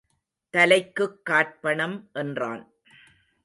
தலைக்குக் காற்பணம் என்றான்.